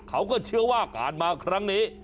เขาก็เชื่อว่าการมาครั้งนี้